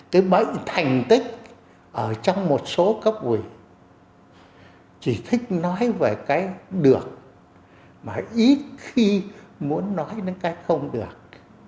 cái bệnh thành tích ở trong một số cấp ủy chỉ thích nói về cái được mà ít khi muốn nói đến cái không được